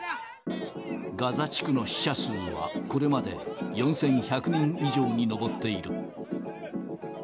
ガザ地区の死者数はこれまで４１００人以上に上っている。